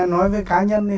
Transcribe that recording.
nói về cá nhân thì